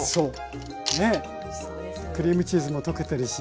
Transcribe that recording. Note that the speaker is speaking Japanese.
クリームチーズも溶けてるし。